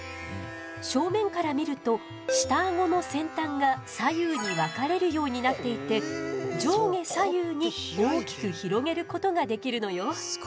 正面から見ると下アゴの先端が左右に分かれるようになっていて上下左右に大きく広げることができるのよ。